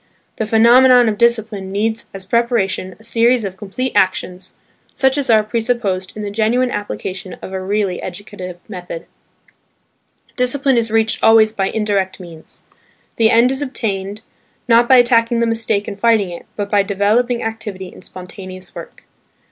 The phenomenon of discipline needs as preparation a series of complete actions, such as are presupposed in the genuine application of a really educative method. Discipline is reached always by indirect means. The end is obtained, not by attacking the mistake and fighting it, but by developing activity in spontaneous work.